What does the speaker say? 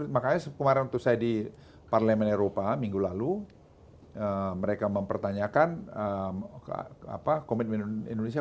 makanya kemarin tuh saya di parlemen eropa minggu lalu mereka mempertanyakan komitmen indonesia